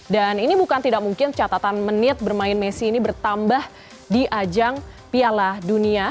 dan ini bukan tidak mungkin catatan menit bermain messi ini bertambah di ajang piala dunia